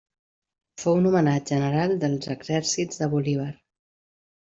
Fou nomenat general dels exèrcits de Bolívar.